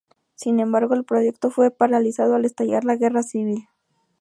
Sin embargo, el proyecto fue paralizado al estallar la Guerra Civil.